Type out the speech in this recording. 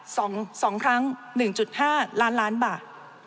สองสองครั้งหนึ่งจุดห้าล้านล้านบาท